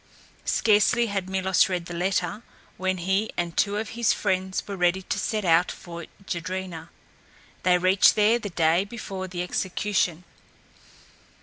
Scarcely had Milos read the letter, when he and two of his friends were ready to set out for Jedrena. They reached there the day before the execution.